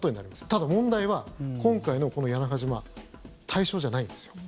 ただ、問題は今回のこの屋那覇島対象じゃないんですよ。